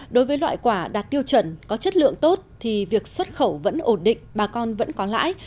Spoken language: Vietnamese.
đối với loại quả đạt tiêu chuẩn có chất lượng tốt thì việc xuất khẩu vẫn ổn định bà con vẫn có lãi